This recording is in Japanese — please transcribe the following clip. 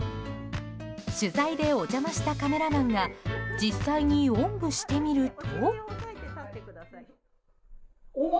取材でお邪魔したカメラマンが実際に、おんぶしてみると。